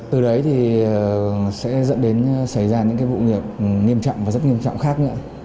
từ đấy thì sẽ dẫn đến xảy ra những vụ nghiệp nghiêm trọng và rất nghiêm trọng khác